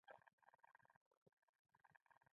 دا تمرینونه سرتېري په قطعاتو کې کوي.